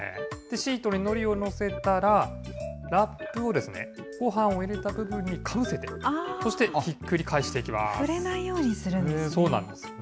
シートにのりを載せたら、ラップをですね、ごはんを入れた部分にかぶせて、そして、触れないようにするんですね。